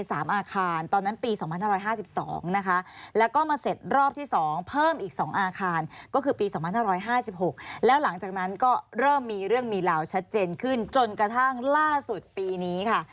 อาคารก็คือปี๒๕๕๖แล้วหลังจากนั้นก็เริ่มมีเรื่องมีราวชัดเจนขึ้นจนกระทั่งล่าสุดปีนี้ค่ะ